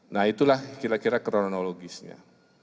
nah itulah kira kira kronologisnya